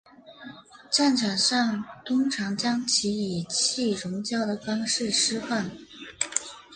战场上通常将其以气溶胶的方式施放。